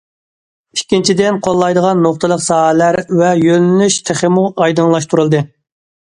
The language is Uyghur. ئىككىنچىدىن، قوللايدىغان نۇقتىلىق ساھەلەر ۋە يۆنىلىش تېخىمۇ ئايدىڭلاشتۇرۇلدى.